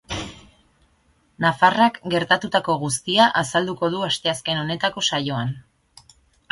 Nafarrak gertatutako guztia azalduko du asteazken honetako saioan.